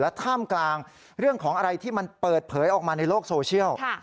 ท่ามกลางเรื่องของอะไรที่มันเปิดเผยออกมาในโลกโซเชียล